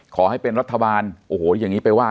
ขอให้เป็นรัฐบาลโอ้โหอย่างนี้ไปว่า